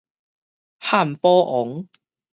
漢堡王